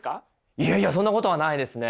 いやいやそんなことはないですね！